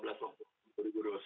gitu sih mas